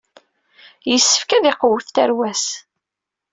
Yessefk ad iqewwet tarwa-s.